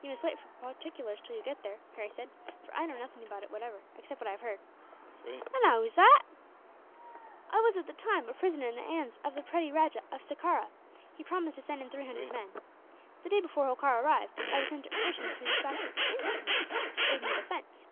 "You must wait for particulars until you get there," Harry said, "for I know nothing about it whatever, except what I have heard." "And how is that?" "I was, at the time, a prisoner in the hands of the petty Rajah of Sekerah. He promised to send in three hundred men. The day before Holkar arrived, I was sent to urge him to despatch them instantly to aid in the defence.